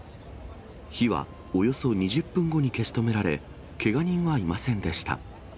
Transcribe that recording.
火はおよそ２０分後に消し止められ、けが人はいませんでした。